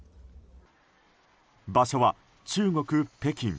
場所は中国・北京。